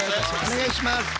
お願いします。